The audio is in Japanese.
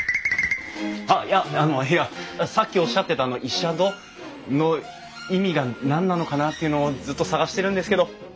あっいやあのいやさっきおっしゃってたイシャド？の意味が何なのかなっていうのをずっと探してるんですけど。